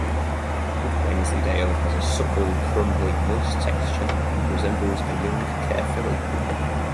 Good Wensleydale has a supple, crumbly, moist texture and resembles a young Caerphilly.